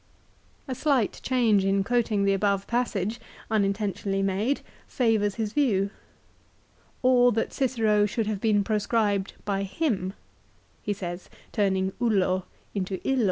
A slight change in quoting the above passage, uninten tionally made, favours his view. " Or that Cicero should have been proscribed by him," he says turning " ullo " into " illo."